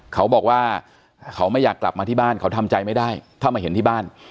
เขาบอกว่าเขาไม่อยากกลับมาที่บ้านเขาทำใจไม่ได้ถ้ามาเห็นที่บ้าน